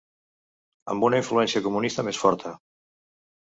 Amb una influència comunista més forta